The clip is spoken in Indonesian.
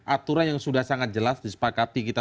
aturan yang sudah sangat jelas disepakati kita